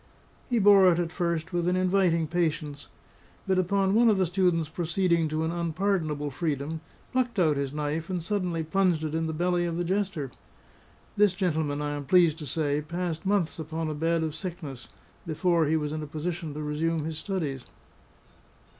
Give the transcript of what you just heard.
He bore it at first with an inviting patience; but upon one of the students proceeding to an unpardonable freedom, plucked out his knife and suddenly plunged it in the belly of the jester. This gentleman, I am pleased to say, passed months upon a bed of sickness, before he was in a position to resume his studies.